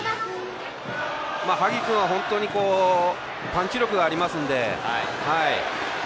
萩君は本当にパンチ力がありますので。